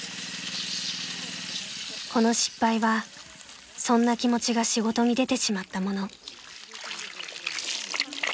［この失敗はそんな気持ちが仕事に出てしまったもの］